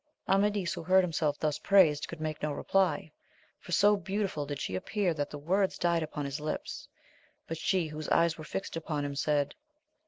Amadis, who heard himself thus praised, could make no reply, for so beautiful did she appear that the words died upon his lips ; but she whose eyes were fixed upon him said.